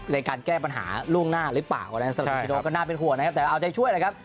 ในการแก้ปัญหาล่วงหน้าหรือเปล่าก็น่าเป็นห่วงนะครับแต่เอาใจช่วยแหละครับ